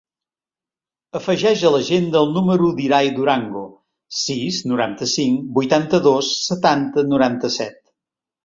Afegeix a l'agenda el número de l'Irai Durango: sis, noranta-cinc, vuitanta-dos, setanta, noranta-set.